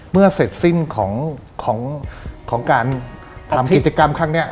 เมื่อเสร็จสิ้นของการทำกิจกรรมครั้งนี้